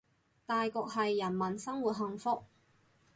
大局係人民生活幸福